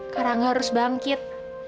karangga harus bangkit